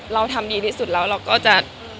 เราทำดีที่สุดแล้วเราก็จะ